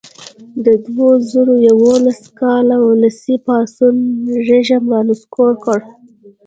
د دوه زره یوولس کال ولسي پاڅون رژیم را نسکور کړ.